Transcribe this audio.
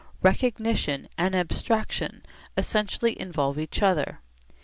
Recognition and abstraction essentially involve each other.